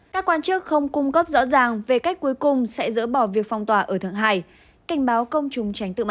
các quan chức không cung cấp rõ ràng về cách cuối cùng sẽ dỡ bỏ việc phong tỏa ở thượng hải cảnh báo công chúng tránh tự mất